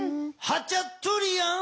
ハチャトゥリアン。